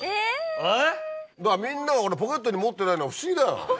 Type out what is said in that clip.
みんながポケットに持ってないのが不思議だよ。